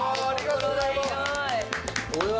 ありがとうございます。